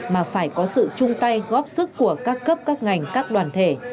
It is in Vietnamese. mà phải có sự chung tay góp sức của các cấp các ngành các đoàn thể